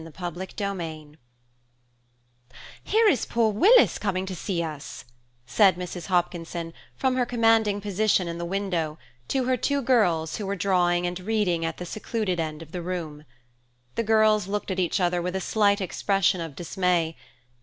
CHAPTER II "HERE is poor Willis coming to see us," said Mrs. Hopkinson, from her commanding position in the window, to her two girls who were drawing and reading at the secluded end of the room. The girls looked at each other with a slight expression of dismay.